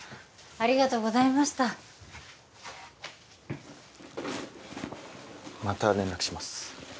ありがとうございましたまた連絡します